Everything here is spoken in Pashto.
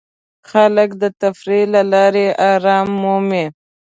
خلک د تفریح له لارې آرام مومي.